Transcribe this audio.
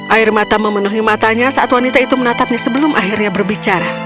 air mata memenuhi matanya saat wanita itu menatapnya sebelum akhirnya berbicara